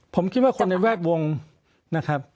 ผมคิดว่าคนในแวดวงนะครับ